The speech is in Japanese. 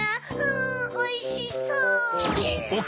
んおいしそう！